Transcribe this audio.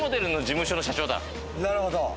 なるほど！